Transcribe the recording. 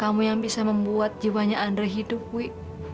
kamu yang bisa membuat jiwanya andre hidup bui